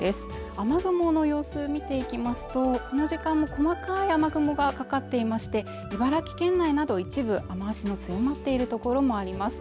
雨雲の様子を見ていきますとこの時間も細かい雨雲がかかっていまして茨城県内など一部雨足の強まっている所もあります